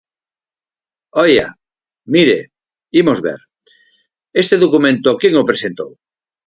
¡Oia!, mire, imos ver, ¿este documento quen o presentou?